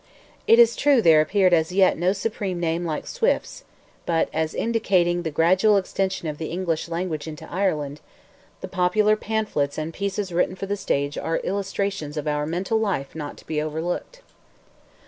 It is true there appeared as yet no supreme name like Swift's; but as indicating the gradual extension of the English language into Ireland, the popular pamphlets and pieces written for the stage, are illustrations of our mental life not to be overlooked.